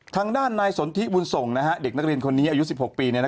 ทางด้านนายสนทิบุญสงศ์นะฮะเด็กนักเรียนอายุ๑๖ปีเนี่ยนะ